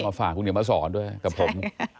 เอามาฝากคุณเดี๋ยวมาสอนด้วยกับผม